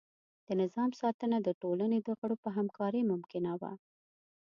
د نظام ساتنه د ټولنې د غړو په همکارۍ ممکنه وه.